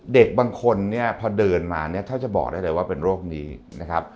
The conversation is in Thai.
เด็กบางคนเนี่ยพอเดินมาเนี่ยเท่าจะบอกได้เลยว่าเป็นโรคนี้นะครับ